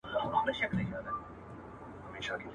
هم غم، هم غمور.